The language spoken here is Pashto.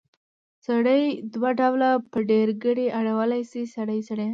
سړی دوه ډوله په ډېرګړي اړولی شو؛ سړي، سړيان.